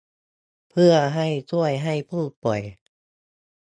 เพื่อให้ช่วยให้ผู้ป่วย